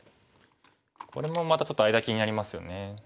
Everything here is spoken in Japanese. これもまたちょっと間気になりますよね。